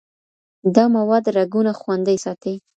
دا مواد رګونه خوندي ساتي.